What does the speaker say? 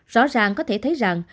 rõ ràng có thể thấy rằng